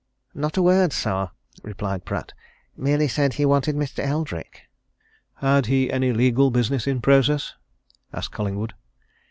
"Not a word, sir," replied Pratt. "Merely said he wanted Mr. Eldrick." "Had he any legal business in process?" asked Collingwood.